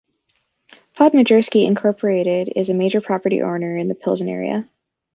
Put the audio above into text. Podmajersky incorporated is a major property owner in the Pilsen area.